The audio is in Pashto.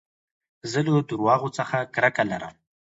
زه له درواغو څخه کرکه لرم.